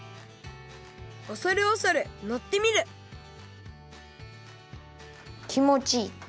おそるおそるのってみるきもちいい！